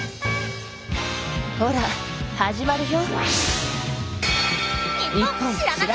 ほら始まるよ。